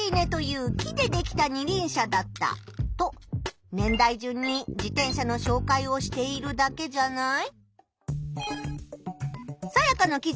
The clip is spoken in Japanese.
と年代順に自転車のしょうかいをしているだけじゃない？